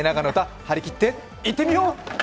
張り切っていってみよう！